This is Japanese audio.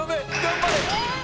頑張れ！え！